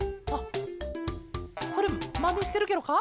それまねしてるケロか？